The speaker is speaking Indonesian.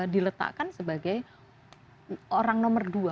diletakkan sebagai orang nomor dua